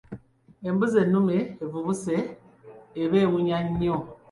Embuzi ennume evubuse eba ewunya nnyo.